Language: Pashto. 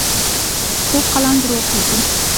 کوږ قلم دروغ لیکي